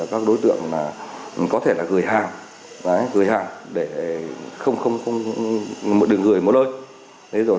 các đối tượng có thể gửi hàng để không được gửi một nơi